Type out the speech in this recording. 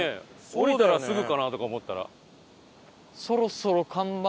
降りたらすぐかなとか思ったら。